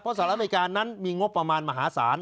สหรัฐอเมริกานั้นมีงบประมาณมหาศาล